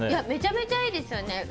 めちゃめちゃいいですよね。